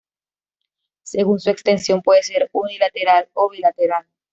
Según su extensión puede ser unilateral o bilateral.